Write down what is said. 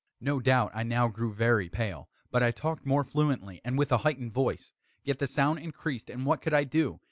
No doubt I now grew very pale; but I talked more fluently, and with a heightened voice. Yet the sound increased and what could I do?